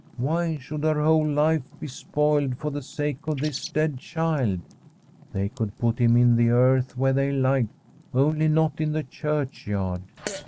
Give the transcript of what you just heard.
Why should her whole life be spoiled for the sake of this dead child ? They could put him in the earth, where they liked, only not in the churchyard.